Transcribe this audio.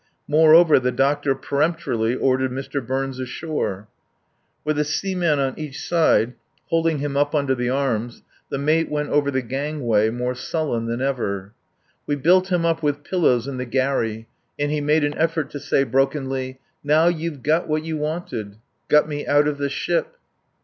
Moreover, the doctor peremptorily ordered Mr. Burns ashore. With a seaman on each side holding him up under the arms, the mate went over the gangway more sullen than ever. We built him up with pillows in the gharry, and he made an effort to say brokenly: "Now you've got what you wanted got me out of the ship."